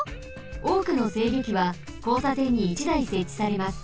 おおくの制御機はこうさてんに１だいせっちされます。